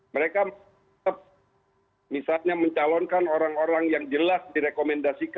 mereka tetap misalnya mencalonkan orang orang yang jelas di rekomendasi mereka